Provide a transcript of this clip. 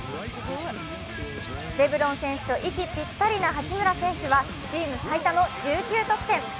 レブロン選手と息ぴったりな八村選手はチーム最多の１９得点。